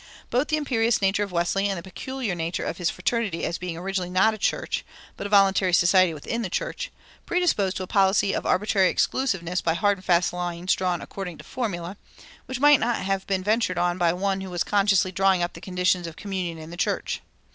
Both the imperious nature of Wesley and the peculiar character of his fraternity as being originally not a church, but a voluntary society within the church, predisposed to a policy of arbitrary exclusiveness by hard and fast lines drawn according to formula, which might not have been ventured on by one who was consciously drawing up the conditions of communion in the church.